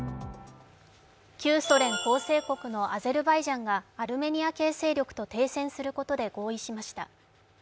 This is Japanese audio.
旧ソ連構成国のアゼルバイジャンがアルメニア系勢力と停戦することで合意しました。